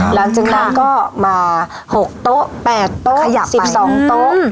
หลังจากนั้นก็มาหกโต๊ะแปดโต๊ะขยับไปสิบสองโต๊ะอืม